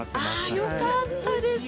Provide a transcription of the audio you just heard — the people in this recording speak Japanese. ◆よかったです。